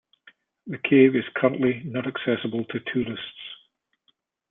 The cave is currently not accessible to tourists.